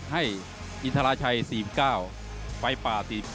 ให้อินทราชัย๔๙ไฟป่า๑๗